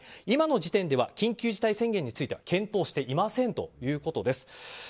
今の時点では緊急事態宣言については検討していませんということです。